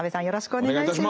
お願いいたします。